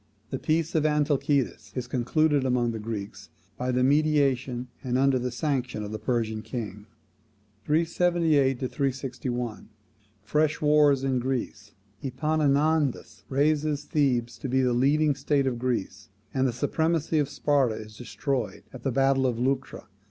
The peace of Antalcidas is concluded among the Greeks by the mediation, and under the sanction, of the Persian king. 378 to 361. Fresh wars in Greece. Epaminondas raises Thebes to be the leading state of Greece, and the supremacy of Sparta is destroyed at the battle of Leuctra.